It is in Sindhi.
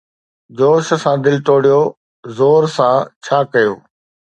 جوش سان دل ٽوڙيو، زور سان! ڇا ڪيو